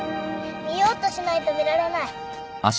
見ようとしないと見られない。